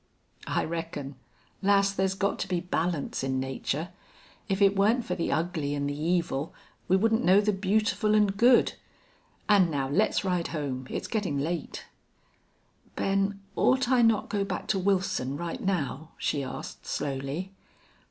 "I reckon. Lass, there's got to be balance in nature. If it weren't for the ugly an' the evil, we wouldn't know the beautiful an' good.... An' now let's ride home. It's gettin' late." "Ben, ought I not go back to Wilson right now?" she asked, slowly.